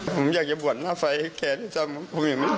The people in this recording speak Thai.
ผมอยากจะบวชหน้าไฟให้แคลร์ได้จำผมยังไม่ได้บวช